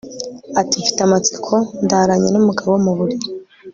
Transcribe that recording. ati mfite amatsiko ndaranye n'umugabo mu buriri